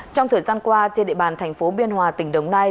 trong thời gian qua trên địa bàn thành phố biên hòa tỉnh đồng nai